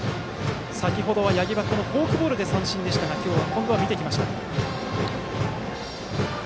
先程は八木はフォークボールで三振でしたが今度は見てきました。